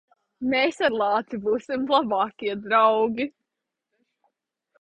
Mēs ar lāci būsim labākie draugi.